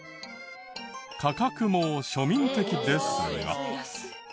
価格も庶民的ですが。